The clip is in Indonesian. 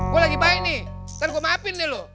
gue lagi baik nih nanti gue maafin deh lu